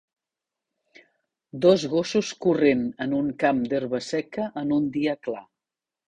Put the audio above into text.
Dos gossos corrent en un camp d'herba seca en un dia clar